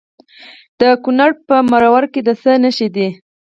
د کونړ په مروره کې د څه شي نښې دي؟